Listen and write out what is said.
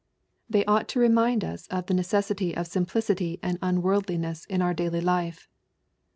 They ought to remind us of the necessity of simplicity and unworldli ness in our daily life.